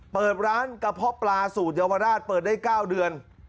เปิดร้านกระเพาะปลาสูตรเยาวราชเปิดได้๙เดือน